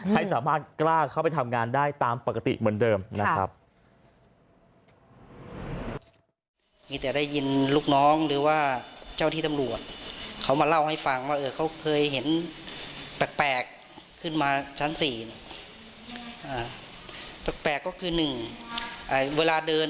ให้สามารถกล้าเข้าไปทำงานได้ตามปกติเหมือนเดิมนะครับ